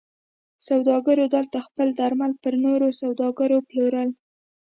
سوداګرو دلته خپل درمل پر نورو سوداګرو پلورل.